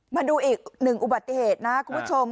มาดูอีกหนึ่งอุบัติเหตุนะคุณผู้ชม